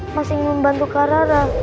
apalagi si rada terbahagia